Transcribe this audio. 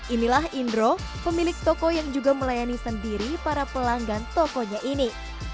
inilah indro pemilik toko yang juga melayani sendiri para pelanggan tokonya ini